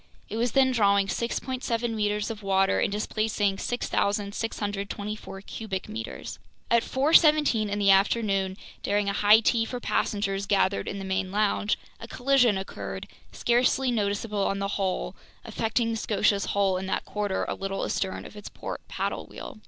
It was then drawing 6.7 meters of water and displacing 6,624 cubic meters. At 4:17 in the afternoon, during a high tea for passengers gathered in the main lounge, a collision occurred, scarcely noticeable on the whole, affecting the Scotia's hull in that quarter a little astern of its port paddle wheel.